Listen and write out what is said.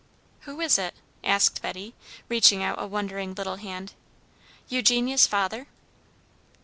"Who is it?" asked Betty, reaching out a wondering little hand, "Eugenia's father?"